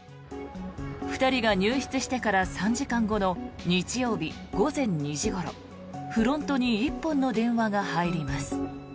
２人が入室してから３時間後の日曜日午前２時ごろフロントに１本の電話が入ります。